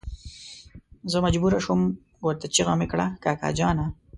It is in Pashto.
زه مجبور شوم ورته چيغه مې کړه کاکا جانه.